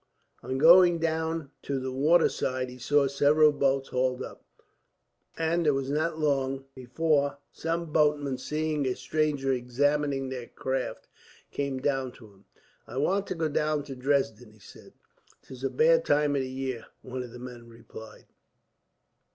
On going down to the water side he saw several boats hauled up, and it was not long before some boatmen, seeing a stranger examining their craft, came down to him. "I want to go down to Dresden," he said. "'Tis a bad time of the year," one of the men replied.